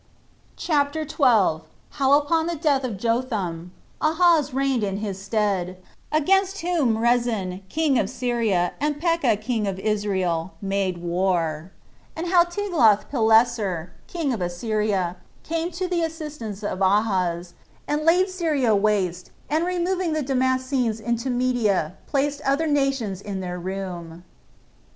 CHAPTER 12. How Upon The Death Of Jotham, Ahaz Reigned In His Stead; Against Whom Rezin, King Of Syria And Pekah King Of Israel, Made War; And How Tiglath Pileser, King Of Assyria Came To The Assistance Of Ahaz, And Laid Syria Waste And Removing The Damascenes Into Media Placed Other Nations In Their Room.